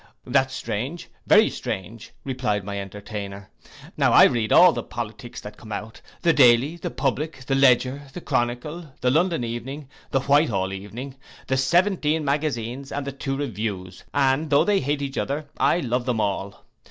'That's strange, very strange,' replied my entertainer. 'Now, I read all the politics that come out. The Daily, the Public, the Ledger, the Chronicle, the London Evening, the Whitehall Evening, the seventeen magazines, and the two reviews; and though they hate each other, I love them all.